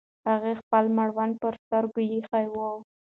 هغې خپل مړوند پر سترګو ایښی و.